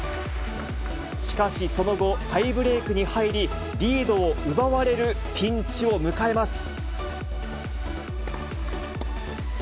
しかし、その後、タイブレークに入り、リードを奪われるピンチを迎えます。